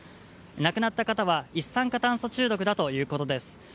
亡くなった方は一酸化炭素中毒だということです。